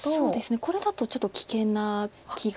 これだとちょっと危険な気がします。